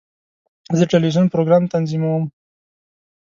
زه د ټلویزیون پروګرام تنظیموم.